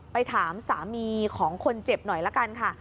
ไปถามสามีของคนเจ็บหน่อยละกันค่ะ